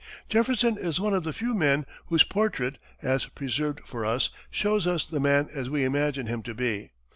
[Illustration: JEFFERSON] Jefferson is one of the few men whose portrait, as preserved for us, shows us the man as we imagine him to be.